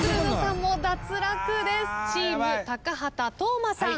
チーム高畑當間さん。